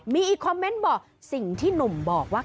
มีอีกคอมเมนต์บอกสิ่งที่หนุ่มบอกว่า